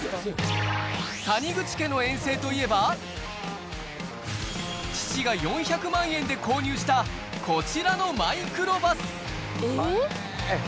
谷口家の遠征といえば、父が４００万円で購入した、こちらのマイクロバス。